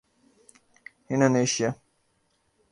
Indonesia